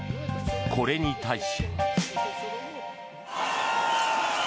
これに対し。